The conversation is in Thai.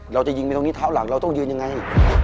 เราจะยิงไปตรงนี้เท้าหลังเราต้องยืนยังไง